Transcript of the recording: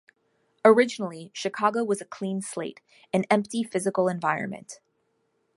Originally, Chicago was a clean slate, an empty physical environment.